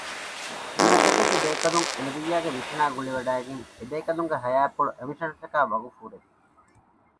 ގިނަ ޢަދަދެއްގެ ބޭކަލުން އެނަބިއްޔާގެ މިޝަނާ ގުޅިވަޑައިގެން އެބޭކަލުންގެ ޙަޔާތްޕުޅު އެމިޝަނަށްޓަކައި ވަޤުފު ކުރެއްވި